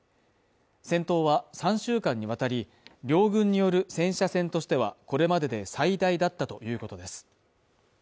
戦闘は３週間にわたり、両軍による戦車戦としては、これまで最大だったということです。